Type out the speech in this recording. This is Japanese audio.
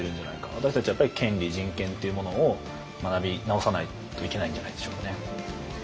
私たちはやっぱり権利人権というものを学び直さないといけないんじゃないでしょうかね。